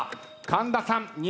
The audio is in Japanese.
神田さん。